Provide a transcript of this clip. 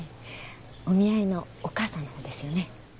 お見合いのお母さんの方ですよね？